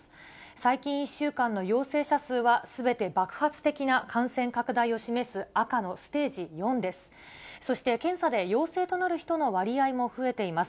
最近１週間の陽性者数は、すべて爆発的な感染拡大を示す赤のステージ４です。